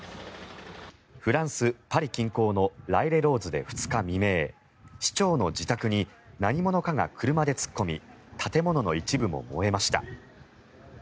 フランス・パリ近郊のライレローズで２日未明市長の自宅に何者かが車で突っ込み建物の一部も燃えました。